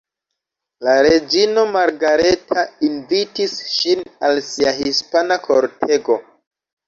La reĝino Margareta invitis ŝin al sia hispana kortego.